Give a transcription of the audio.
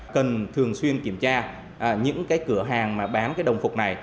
cần thường xuyên kiểm tra những cửa hàng bán đồng phục này